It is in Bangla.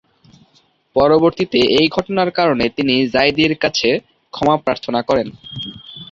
পরবর্তীতে এ ঘটনার কারণে তিনি জাইদি’র কাছে ক্ষমা প্রার্থনা করেন।